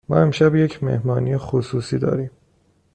ما امشب یک مهمانی خصوصی داریم.